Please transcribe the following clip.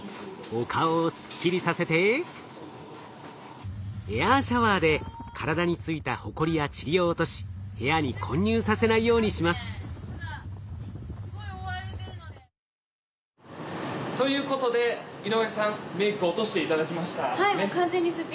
お顔をすっきりさせてエアーシャワーで体についたホコリやチリを落とし部屋に混入させないようにします。ということで井上さんメイク落として頂きました。